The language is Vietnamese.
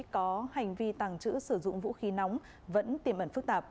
có hành vi tàng trữ sử dụng vũ khí nóng vẫn tiềm ẩn